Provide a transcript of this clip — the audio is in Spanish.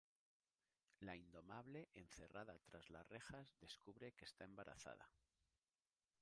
La Indomable, encerrada tras las rejas, descubre que está embarazada.